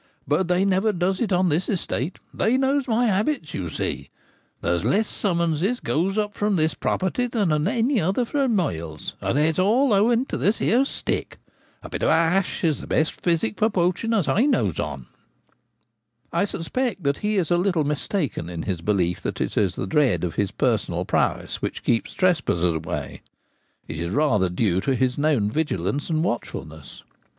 But they never does it on this estate : they knows my habits, you see. There's less summonses goes up 198 The Gamekeeper at Home. *■■■■ 1 ~mm ■■»■»»■■■—■—■■■■■.—■■■.■ 1 ■■ 1 from this property than any other for miles, and it's all owing to this here stick. A bit of ash is the best physic for poaching as I knows on.' I suspect that he is a little mistaken in his belief that it is the dread of his personal prowess which keeps trespassers away — it is rather due to his known vigilance and watchfulness.